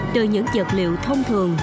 từ những dật liệu thông thường